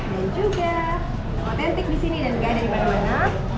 dan juga yang otentik di sini dan nggak ada di mana mana